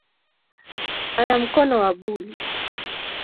Ana mkono wa buli